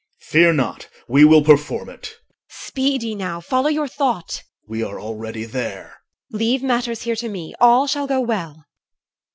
OR. Fear not: we will perform it. EL. Speed ye now: Follow your thought. OR. We are already there. EL. Leave matters here to me. All shall go well.